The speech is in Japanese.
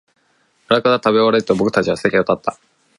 あらかた食べ終えると、僕たちは席を立った